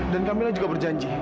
dan kamila juga berjanji